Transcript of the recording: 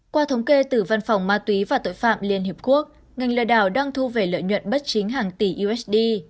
qua thống kê từ văn phòng ma túy và tội phạm liên hiệp quốc ngành lừa đảo đang thu về lợi nhuận bất chính hàng tỷ usd